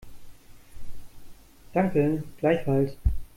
Danke, gleichfalls.